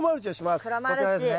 こちらですね